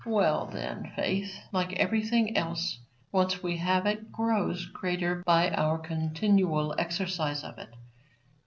Well, then, faith, like everything else, once we have it, grows greater by our continual exercise of it.